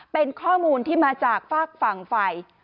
เป็นข้อมูลที่มาจากฝากฝั่งไฟ